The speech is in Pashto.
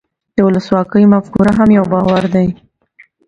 د ولسواکۍ مفکوره هم یو باور دی.